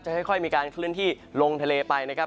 จะค่อยมีการขึ้นที่ลงทะเลไปนะครับ